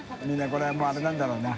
澆鵑これはもうあれなんだろうな。